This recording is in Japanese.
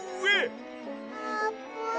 あーぷん？